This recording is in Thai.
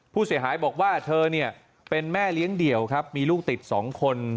ผู้เสียหายบอกว่าเธอเนี่ยเป็นแม่เลี้ยงเดี่ยวครับมีลูกติด๒คน